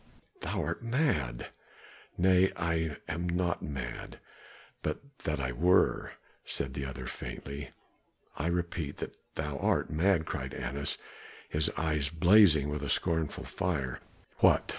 Thou art mad!" "Nay, I am not mad; would that I were!" said the other faintly. "I repeat that thou art mad," cried Annas, his eyes blazing with a scornful fire. "What!